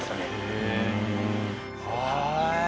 へえ。